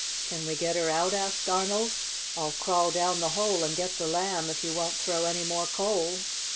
"Can we get her out?" asked Arnold. "I'll crawl down the hole and get the Lamb if you won't throw any more coal."